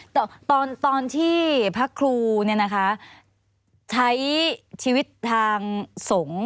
แต่ตอนที่พระครูใช้ชีวิตทางสงฆ์